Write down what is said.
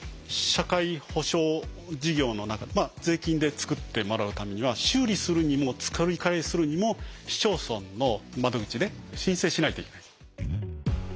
社会保障事業の中税金で作ってもらうためには修理するにも作り替えするにも市町村の窓口で申請しないといけないです。